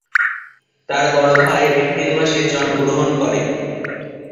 তার বড় ভাই এপ্রিল মাসে জন্মগ্রহণ করে।